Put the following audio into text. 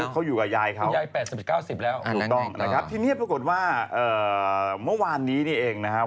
แท้เนียบรากฏว่าเมื่อวานนี้เองนะครับ